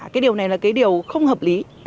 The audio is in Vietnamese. cái điều này là cái điều không hợp lý